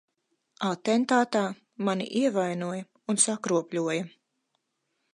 Atentātā mani ievainoja un sakropļoja.